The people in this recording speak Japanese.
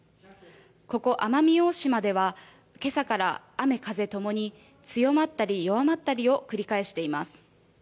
ここ、奄美大島では、けさから雨風ともに強まったり弱まったりを繰り返しています。